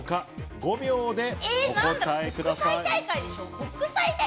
５秒でお答えください。